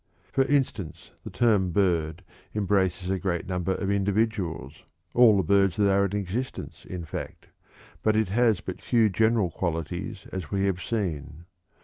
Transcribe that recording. For instance, the term "bird" embraces a great number of individuals all the birds that are in existence, in fact, but it has but few general qualities, as we have seen.